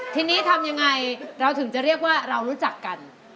ทีนี้ทำยังไงเราถึงจะเรียกว่าเรารู้จักกัน